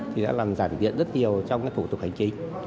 thì đã làm giảm điện rất nhiều trong các thủ tục hành trình